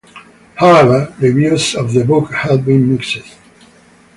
However, reviews of the book have been mixed.